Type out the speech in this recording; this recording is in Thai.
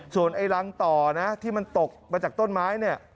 ส่วนไอ้รังต่อนะที่มันตกมาจากต้นไม้เนี่ย